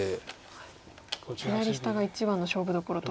左下が一番の勝負どころと。